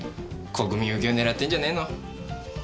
国民受けを狙ってんじゃねーの？